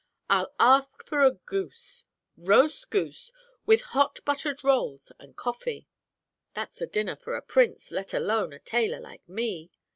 I'll ask for a goose roast goose, with hot buttered rolls and coffee. That's a dinner for a prince, let alone a tailor like me.'